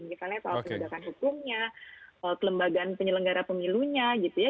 misalnya soal penegakan hukumnya kelembagaan penyelenggara pemilunya gitu ya